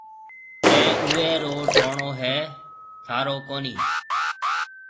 او اوَي رو ٽوڻو هيَ ٿارو ڪونَي